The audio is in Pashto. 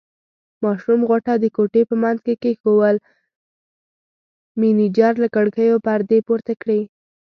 ماشوم غوټه د کوټې په منځ کې کېښوول، مېنېجر له کړکیو پردې پورته کړې.